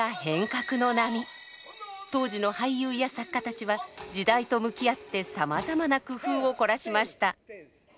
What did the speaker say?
当時の俳優や作家たちは時代と向き合ってさまざまな工夫を凝らしました。